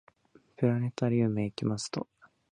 プラネタリウムへ行きました。